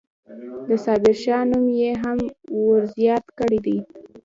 د صابرشاه نوم یې هم ورزیات کړی دی.